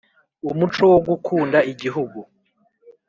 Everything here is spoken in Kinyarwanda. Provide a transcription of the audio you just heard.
umuco wo gukunda Igihugu